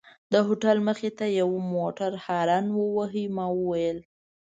د هوټل مخې ته یوه موټر هارن وواهه، ما وویل.